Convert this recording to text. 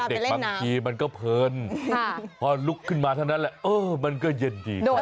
โอ้ยก็เด็กบางทีมันก็เพลินพอลุกขึ้นมาเท่านั้นแหละเออมันก็เย็นดีกว่าไป